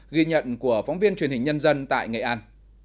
ghi nhận của phóng viên truyền hình nhân dân tại nghệ an